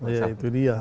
ya itu dia